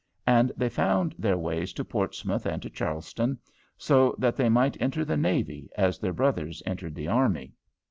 And they found out their ways to Portsmouth and to Charlestown, so that they might enter the navy as their brothers entered the army.